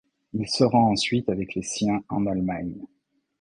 Il se rend ensuite avec les siens en Allemagne.